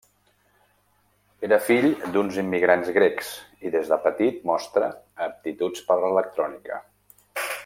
Era fill d'uns immigrants grecs i des de petit mostra aptituds per l'electrònica.